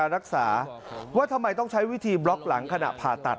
รักษาว่าทำไมต้องใช้วิธีบล็อกหลังขณะผ่าตัด